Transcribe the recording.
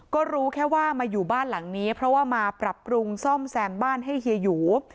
ก็รู้แค่ว่ามาอยู่บ้านหลังนี้เพราะว่ามาปรับปรุงซ่อมแซมบ้านให้เฮียหยู